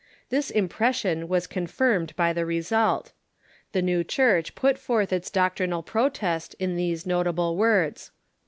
This impression was confirmed by the result. The new Church put forth its doctrinal protest in these notable words : 1.